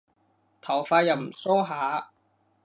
頭髮又唔梳下